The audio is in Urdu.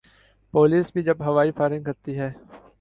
پولیس بھی جب ہوائی فائرنگ کرتی ہے۔